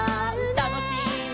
「たのしいね」